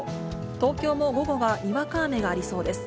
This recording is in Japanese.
東京も午後はにわか雨がありそうです。